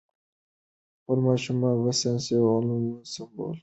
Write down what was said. خپل ماشومان په ساینسي علومو سمبال کړئ.